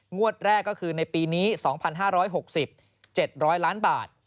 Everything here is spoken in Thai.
งวดแรกก็คือในปีนี้๒๕๖๗๐๐ล้านบาท